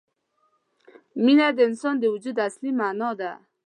مینه د انسان د وجود اصلي معنا ده.